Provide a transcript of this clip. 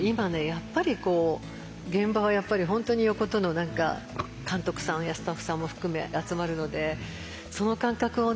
やっぱり現場はやっぱり本当に横との何か監督さんやスタッフさんも含めが集まるのでその感覚をね